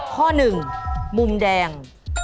ข้อหนึ่งมุมแดง